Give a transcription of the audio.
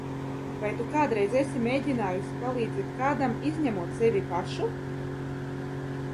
Vai tu kādreiz esi mēģinājusi palīdzēt kādam, izņemot sevi pašu?